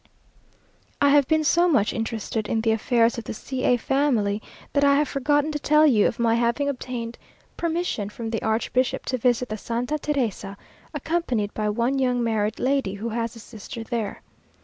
I have been so much interested in the affairs of the C a family, that I have forgotten to tell you of my having obtained permission from the archbishop to visit the Santa Teresa, accompanied by one young married lady, who has a sister there.